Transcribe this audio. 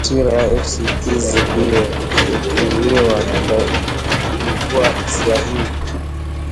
Taswira ya usikizi ndio hutumiwa kuibua hisia hii